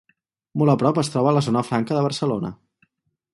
Molt a prop es troba la Zona Franca de Barcelona.